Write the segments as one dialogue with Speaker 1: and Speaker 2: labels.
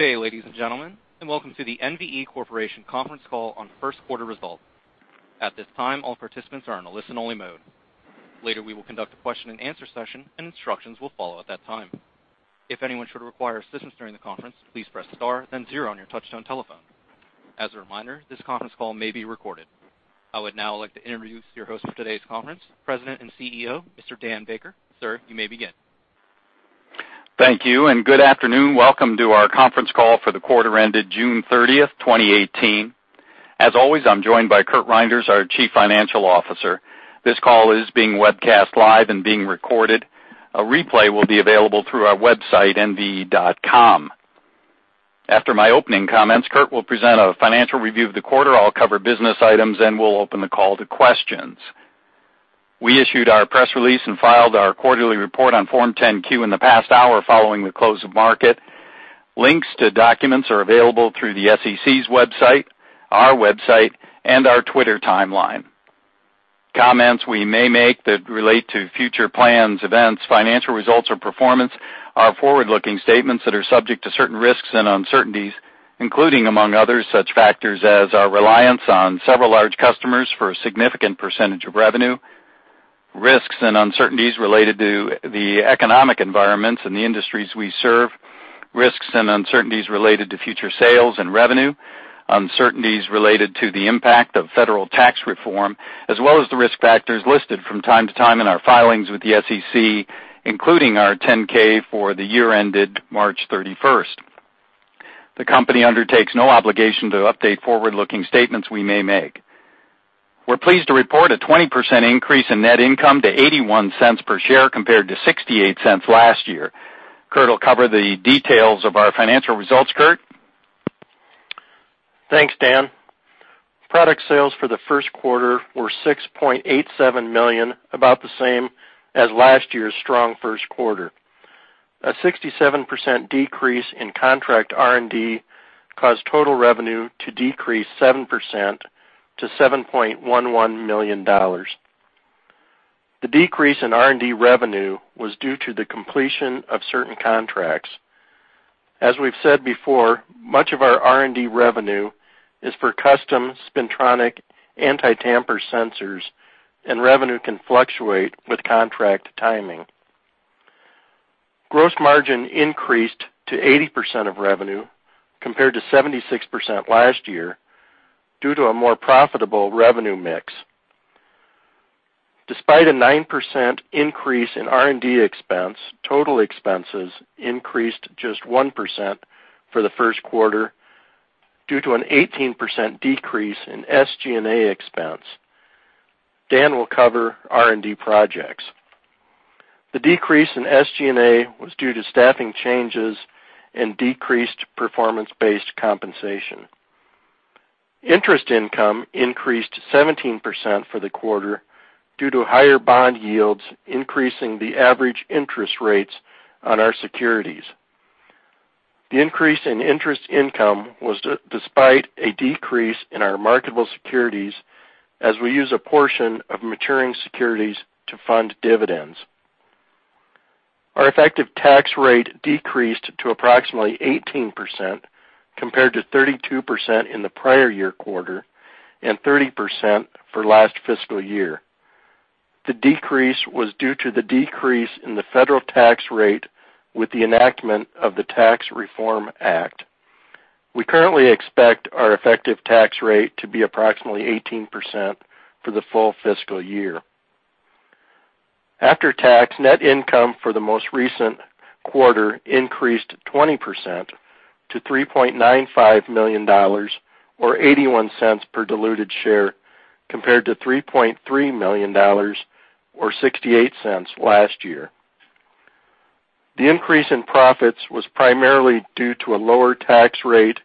Speaker 1: Good day, ladies and gentlemen, welcome to the NVE Corporation conference call on first quarter results. At this time, all participants are in a listen-only mode. Later, we will conduct a question and answer session. Instructions will follow at that time. If anyone should require assistance during the conference, please press star then zero on your touch-tone telephone. As a reminder, this conference call may be recorded. I would now like to introduce your host for today's conference, President and CEO, Mr. Dan Baker. Sir, you may begin.
Speaker 2: Thank you. Good afternoon. Welcome to our conference call for the quarter ended June 30th, 2018. As always, I'm joined by Curt Reynder, our Chief Financial Officer. This call is being webcast live and being recorded. A replay will be available through our website, nve.com. After my opening comments, Curt will present a financial review of the quarter. I'll cover business items. We'll open the call to questions. We issued our press release and filed our quarterly report on Form 10-Q in the past hour following the close of market. Links to documents are available through the SEC's website, our website, and our Twitter timeline. Comments we may make that relate to future plans, events, financial results, or performance are forward-looking statements that are subject to certain risks and uncertainties, including, among others, such factors as our reliance on several large customers for a significant percentage of revenue, risks and uncertainties related to the economic environments in the industries we serve, risks and uncertainties related to future sales and revenue, uncertainties related to the impact of federal tax reform, as well as the risk factors listed from time to time in our filings with the SEC, including our 10-K for the year ended March 31st. The company undertakes no obligation to update forward-looking statements we may make. We're pleased to report a 20% increase in net income to $0.81 per share compared to $0.68 last year. Curt will cover the details of our financial results. Curt?
Speaker 3: Thanks, Dan. Product sales for the first quarter were $6.87 million, about the same as last year's strong first quarter. A 67% decrease in contract R&D caused total revenue to decrease 7% to $7.11 million. The decrease in R&D revenue was due to the completion of certain contracts. As we've said before, much of our R&D revenue is for custom spintronic anti-tamper sensors. Revenue can fluctuate with contract timing. Gross margin increased to 80% of revenue compared to 76% last year due to a more profitable revenue mix. Despite a 9% increase in R&D expense, total expenses increased just 1% for the first quarter due to an 18% decrease in SG&A expense. Dan will cover R&D projects. The decrease in SG&A was due to staffing changes and decreased performance-based compensation. Interest income increased 17% for the quarter due to higher bond yields, increasing the average interest rates on our securities. The increase in interest income was despite a decrease in our marketable securities, as we use a portion of maturing securities to fund dividends. Our effective tax rate decreased to approximately 18% compared to 32% in the prior year quarter and 30% for last fiscal year. The decrease was due to the decrease in the federal tax rate with the enactment of the Tax Reform Act. We currently expect our effective tax rate to be approximately 18% for the full fiscal year. After-tax net income for the most recent quarter increased 20% to $3.95 million, or $0.81 per diluted share, compared to $3.3 million or $0.68 last year. The increase in profits was primarily due to a lower tax rate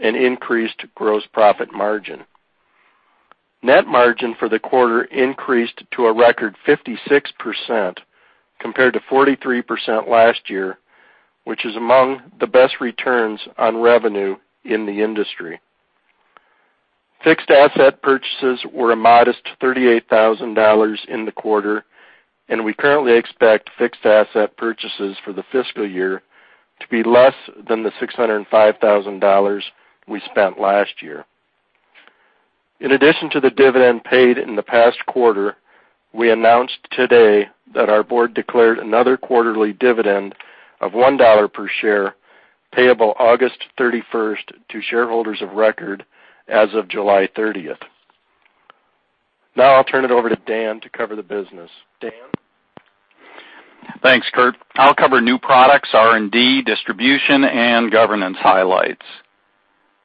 Speaker 3: and increased gross profit margin. Net margin for the quarter increased to a record 56% compared to 43% last year, which is among the best returns on revenue in the industry. Fixed asset purchases were a modest $38,000 in the quarter, and we currently expect fixed asset purchases for the fiscal year to be less than the $605,000 we spent last year. In addition to the dividend paid in the past quarter, we announced today that our board declared another quarterly dividend of $1 per share, payable August 31st to shareholders of record as of July 30th. I will turn it over to Dan to cover the business. Dan?
Speaker 2: Thanks, Curt. I will cover new products, R&D, distribution, and governance highlights.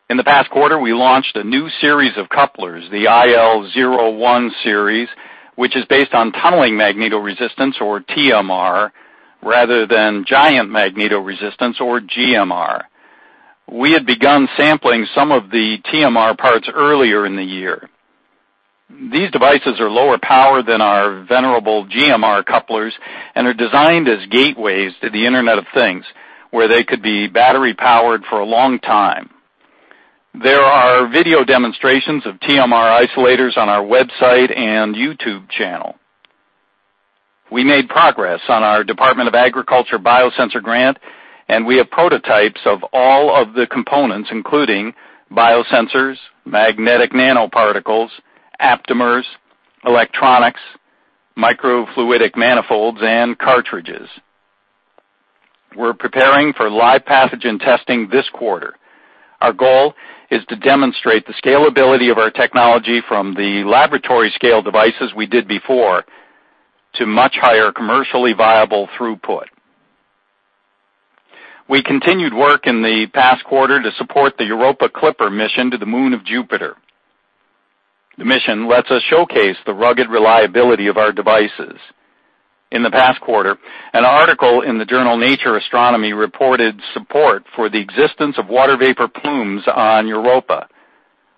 Speaker 2: In the past quarter, we launched a new series of couplers, the IL01 series, which is based on tunneling magnetoresistance or TMR, rather than giant magnetoresistance or GMR. We had begun sampling some of the TMR parts earlier in the year. These devices are lower power than our venerable GMR couplers and are designed as gateways to the Internet of Things, where they could be battery-powered for a long time. There are video demonstrations of TMR isolators on our website and YouTube channel. We made progress on our Department of Agriculture biosensor grant, and we have prototypes of all of the components, including biosensors, magnetic nanoparticles, aptamers, electronics, microfluidic manifolds, and cartridges. We are preparing for live pathogen testing this quarter. Our goal is to demonstrate the scalability of our technology from the laboratory scale devices we did before to much higher commercially viable throughput. We continued work in the past quarter to support the Europa Clipper mission to the moon of Jupiter. The mission lets us showcase the rugged reliability of our devices. In the past quarter, an article in the journal "Nature Astronomy" reported support for the existence of water vapor plumes on Europa.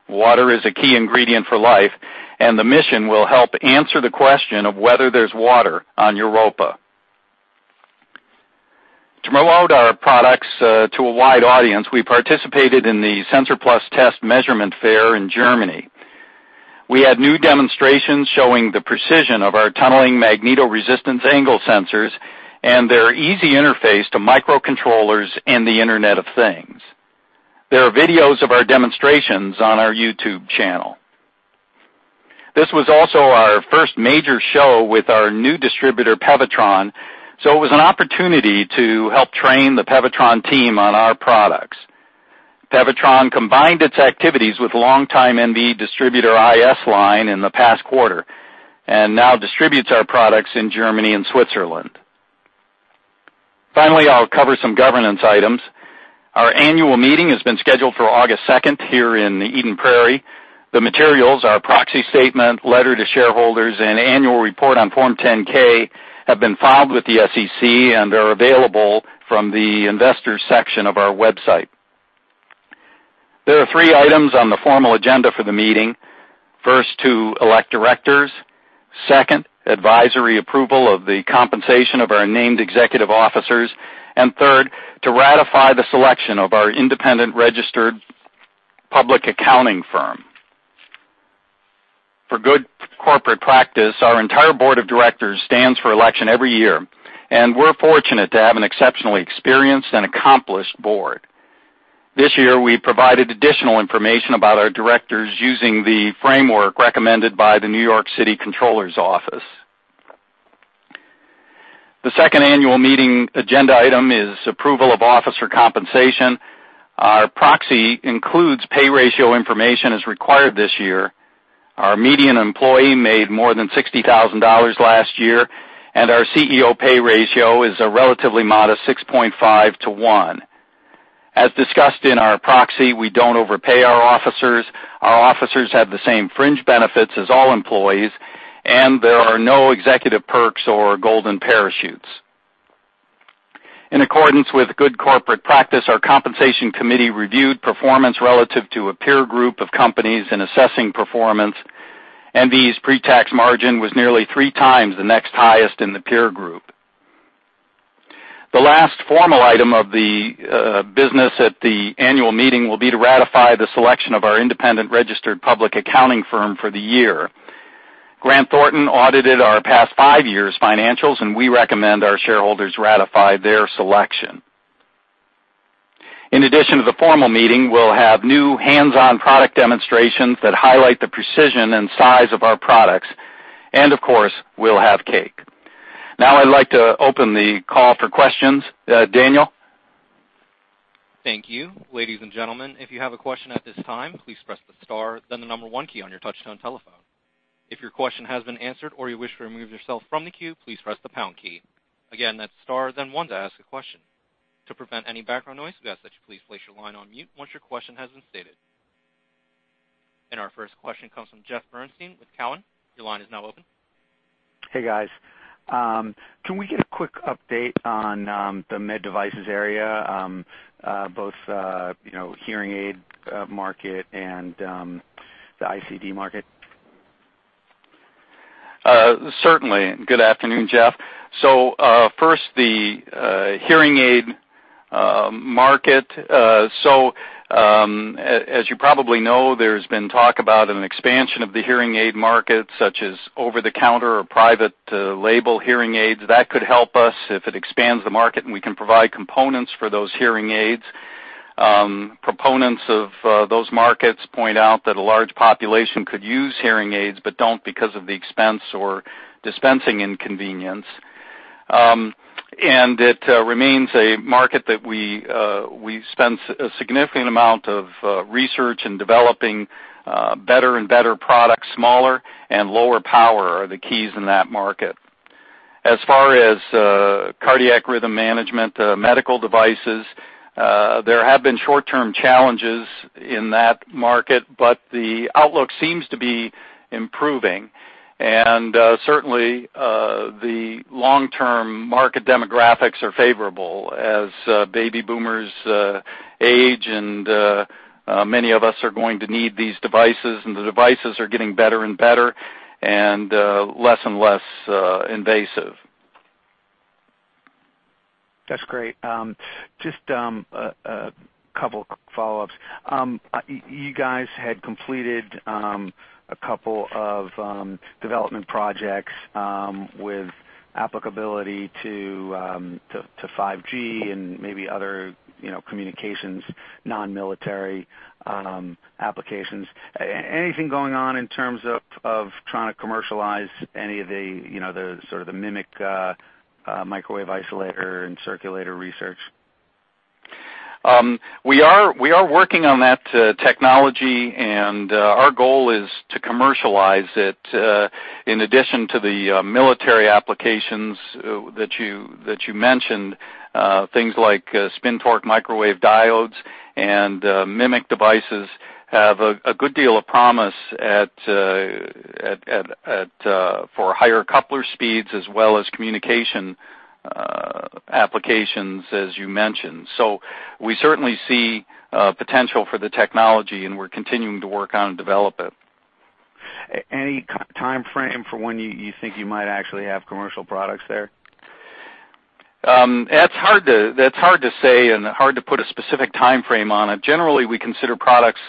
Speaker 2: Water is a key ingredient for life, and the mission will help answer the question of whether there is water on Europa. To roll out our products to a wide audience, we participated in the SENSOR+TEST measurement fair in Germany. We had new demonstrations showing the precision of our Tunneling Magnetoresistance angle sensors and their easy interface to microcontrollers in the Internet of Things. There are videos of our demonstrations on our YouTube channel. This was also our first major show with our new distributor, Pewatron, so it was an opportunity to help train the Pewatron team on our products. Pewatron combined its activities with longtime NVE distributor IS-Line in the past quarter, and now distributes our products in Germany and Switzerland. Finally, I'll cover some governance items. Our annual meeting has been scheduled for August 2nd here in Eden Prairie. The materials, our proxy statement, letter to shareholders, and annual report on Form 10-K have been filed with the SEC and are available from the investors section of our website. There are three items on the formal agenda for the meeting. First, to elect directors, second, advisory approval of the compensation of our named executive officers, and third, to ratify the selection of our independent registered public accounting firm. For good corporate practice, our entire board of directors stands for election every year, and we're fortunate to have an exceptionally experienced and accomplished board. This year, we provided additional information about our directors using the framework recommended by the New York City Comptroller's Office. The second annual meeting agenda item is approval of officer compensation. Our proxy includes pay ratio information as required this year. Our median employee made more than $60,000 last year, and our CEO pay ratio is a relatively modest 6.5 to one. As discussed in our proxy, we don't overpay our officers. Our officers have the same fringe benefits as all employees, and there are no executive perks or golden parachutes. In accordance with good corporate practice, our compensation committee reviewed performance relative to a peer group of companies in assessing performance. NVE's pretax margin was nearly three times the next highest in the peer group. The last formal item of the business at the annual meeting will be to ratify the selection of our independent registered public accounting firm for the year. Grant Thornton audited our past five years' financials, and we recommend our shareholders ratify their selection. In addition to the formal meeting, we'll have new hands-on product demonstrations that highlight the precision and size of our products. And of course, we'll have cake. Now I'd like to open the call for questions. Daniel?
Speaker 1: Thank you. Ladies and gentlemen, if you have a question at this time, please press the star, then the number 1 key on your touchtone telephone. If your question has been answered or you wish to remove yourself from the queue, please press the pound key. Again, that's star, then 1 to ask a question. To prevent any background noise, we ask that you please place your line on mute once your question has been stated. And our first question comes from Jeff Bernstein with Cowen. Your line is now open.
Speaker 4: Hey, guys. Can we get a quick update on the med devices area, both hearing aid market and the ICD market?
Speaker 2: Certainly. Good afternoon, Jeff. First, the hearing aid market. As you probably know, there's been talk about an expansion of the hearing aid market, such as over-the-counter or private label hearing aids. That could help us if it expands the market and we can provide components for those hearing aids. Proponents of those markets point out that a large population could use hearing aids but don't because of the expense or dispensing inconvenience. It remains a market that we spend a significant amount of research in developing better and better products. Smaller and lower power are the keys in that market. As far as cardiac rhythm management medical devices, there have been short-term challenges in that market, the outlook seems to be improving. Certainly, the long-term market demographics are favorable as baby boomers age and many of us are going to need these devices, and the devices are getting better and better and less and less invasive.
Speaker 4: That's great. Just a couple quick follow-ups. You guys had completed a couple of development projects with applicability to 5G and maybe other communications, non-military applications. Anything going on in terms of trying to commercialize any of the sort of MMIC microwave isolator and circulator research?
Speaker 2: We are working on that technology, our goal is to commercialize it in addition to the military applications that you mentioned. Things like spin-torque microwave diodes and MMIC devices have a good deal of promise for higher coupler speeds as well as communication applications, as you mentioned. We certainly see potential for the technology, and we're continuing to work on and develop it.
Speaker 4: Any timeframe for when you think you might actually have commercial products there?
Speaker 2: That's hard to say and hard to put a specific timeframe on it. Generally, we consider projects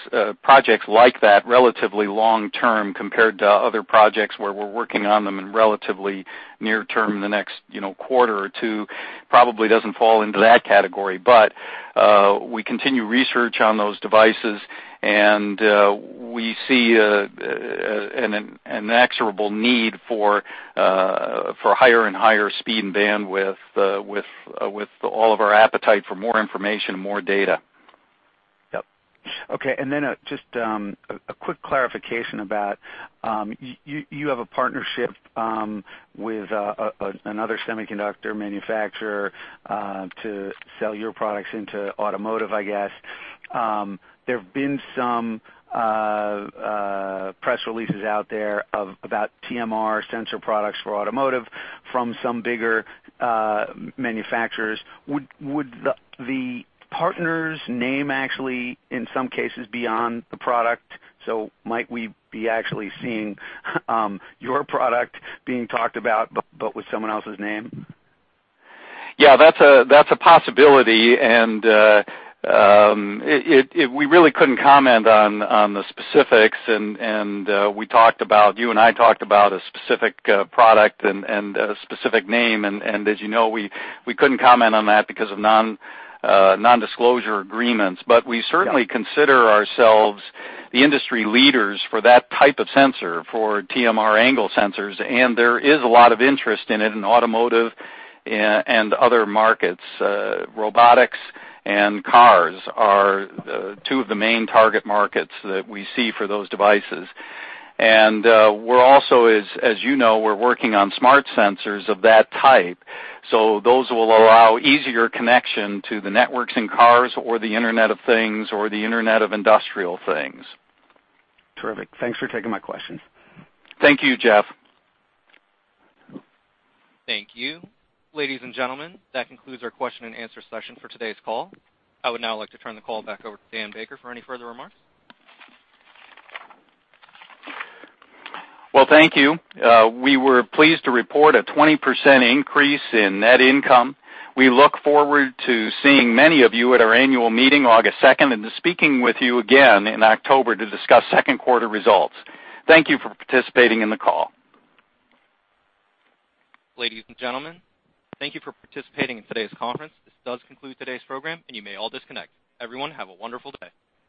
Speaker 2: like that relatively long-term compared to other projects where we're working on them in relatively near-term, the next quarter or two, probably doesn't fall into that category. We continue research on those devices, and we see an inexorable need for higher and higher speed and bandwidth with all of our appetite for more information and more data.
Speaker 4: Yep. Okay, just a quick clarification about, you have a partnership with another semiconductor manufacturer to sell your products into automotive, I guess. There have been some press releases out there about TMR sensor products for automotive from some bigger manufacturers. Would the partner's name actually, in some cases, be on the product? Might we be actually seeing your product being talked about, but with someone else's name?
Speaker 2: That's a possibility, we really couldn't comment on the specifics, you and I talked about a specific product and a specific name, as you know, we couldn't comment on that because of nondisclosure agreements. We certainly consider ourselves the industry leaders for that type of sensor, for TMR angle sensors, and there is a lot of interest in it in automotive and other markets. Robotics and cars are two of the main target markets that we see for those devices. We're also, as you know, we're working on smart sensors of that type, so those will allow easier connection to the networks in cars or the Internet of Things or the Internet of Industrial Things.
Speaker 4: Terrific. Thanks for taking my questions.
Speaker 2: Thank you, Jeff.
Speaker 1: Thank you. Ladies and gentlemen, that concludes our question and answer session for today's call. I would now like to turn the call back over to Dan Baker for any further remarks.
Speaker 2: Well, thank you. We were pleased to report a 20% increase in net income. We look forward to seeing many of you at our annual meeting August 2nd and to speaking with you again in October to discuss second quarter results. Thank you for participating in the call.
Speaker 1: Ladies and gentlemen, thank you for participating in today's conference. This does conclude today's program, and you may all disconnect. Everyone, have a wonderful day